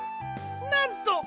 なんと！